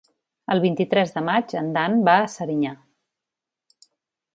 El vint-i-tres de maig en Dan va a Serinyà.